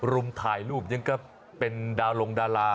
รุมถ่ายรูปยังก็เป็นดาวลงดารา